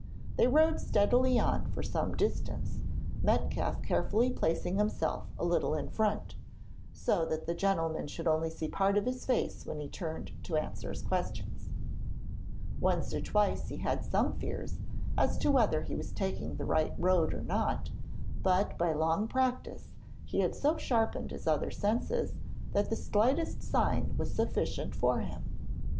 They rode steadily on for some distance, Metcalfe carefully placing himself a little in front, so that the gentleman should only see part of his face when he turned to answer his questions. Once or twice he had some fears as to whether he was taking the right road or not, but by long practice he had so sharpened his other senses that the slightest sign was sufficient for him.